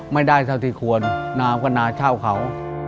ไม่ได้เท่าที่ควรน้ำก็นาเช่าเขา